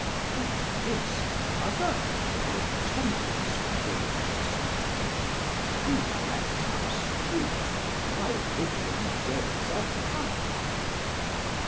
Chor: But this another kind of tempest brings. Sam: Be less abstruse, my riddling days are past.